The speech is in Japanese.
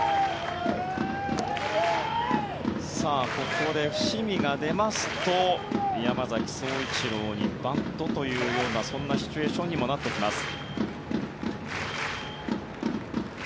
ここで伏見が出ますと山崎颯一郎にバントというようなそんなシチュエーションにもなってきます。